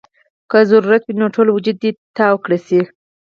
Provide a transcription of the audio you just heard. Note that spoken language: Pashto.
کۀ ضرورت وي نو ټول وجود دې تاو کړے شي -